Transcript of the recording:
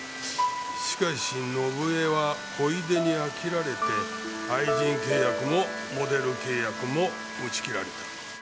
しかし伸枝は小出に飽きられて愛人契約もモデル契約も打ち切られた